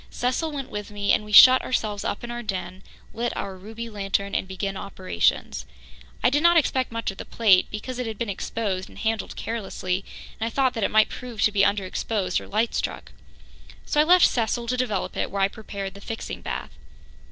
Cecil went with me, and we shut ourselves up in our den, lit our ruby lantern and began operations. I did not expect much of the plate, because it had been exposed and handled carelessly, and I thought that it might prove to be underexposed or light struck. So I left Cecil to develop it while I prepared the fixing bath.